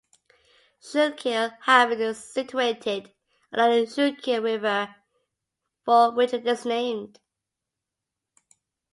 Schuylkill Haven is situated along the Schuylkill River for which it is named.